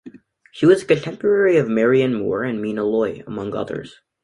She was a contemporary of Marianne Moore and Mina Loy, among others.